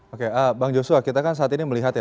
oke bang joshua kita kan saat ini melihat ya